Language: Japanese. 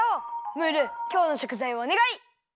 ムールきょうのしょくざいをおねがい！